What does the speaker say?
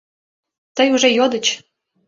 Тый уже йодыч.